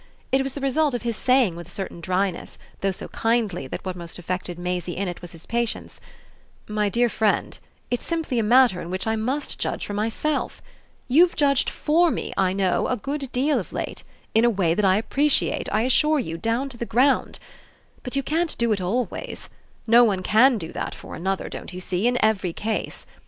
It was the result of his saying with a certain dryness, though so kindly that what most affected Maisie in it was his patience: "My dear friend, it's simply a matter in which I must judge for myself. You've judged FOR me, I know, a good deal, of late, in a way that I appreciate, I assure you, down to the ground. But you can't do it always; no one can do that for another, don't you see, in every case.